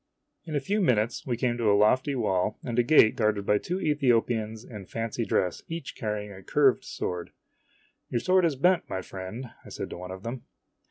In a few minutes we came to a lofty wall, and a gate guarded by two Ethiopians in fancy dress, each carrying a curved sword. " Your sword is bent, my friend," I said to one of them.